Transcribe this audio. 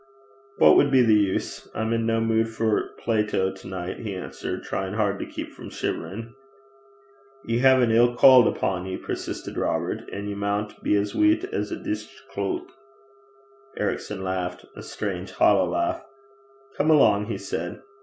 'What would be the use? I'm in no mood for Plato to night,' he answered, trying hard to keep from shivering. 'Ye hae an ill cauld upo' ye,' persisted Robert; 'an' ye maun be as weet 's a dishcloot.' Ericson laughed a strange, hollow laugh. 'Come along,' he said.